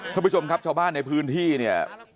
ท่านผู้ชมครับชาวบ้านในพื้นที่เนี่ย